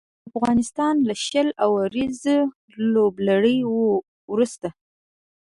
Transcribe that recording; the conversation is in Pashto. افغانستان له شل اوريزې لوبلړۍ وروسته